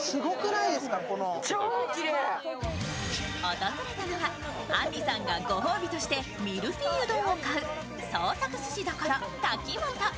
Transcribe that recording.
訪れたのは、あんりさんがご褒美としてミルフィーユ丼を買う創作鮨処タキモト。